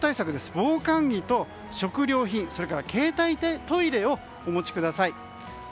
防寒着と食料品、携帯トイレをお持ちください。